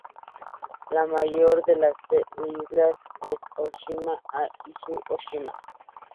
La mayor de las islas es Ōshima o Izu Ōshima.